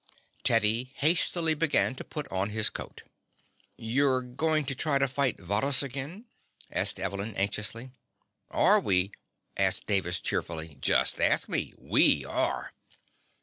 Teddy hastily began to put on his coat. "You're going to try to fight Varrhus again?" asked Evelyn anxiously. "Are we?" asked Davis cheerfully. "Just ask me! We are."